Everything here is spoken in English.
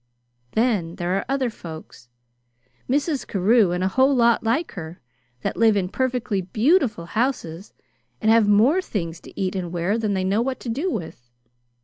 Then there are other folks Mrs. Carew, and a whole lot like her that live in perfectly beautiful houses, and have more things to eat and wear than they know what to do with.